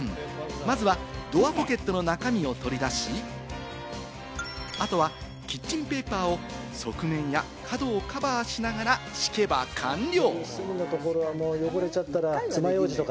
まずはドアポケットの中身を取り出し、あとはキッチンペーパーを側面や角をカバーしながら敷けば完了。